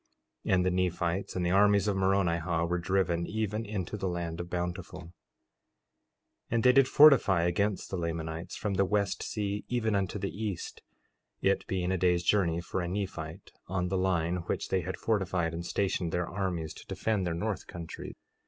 4:6 And the Nephites and the armies of Moronihah were driven even into the land of Bountiful; 4:7 And there they did fortify against the Lamanites, from the west sea, even unto the east; it being a day's journey for a Nephite, on the line which they had fortified and stationed their armies to defend their north country.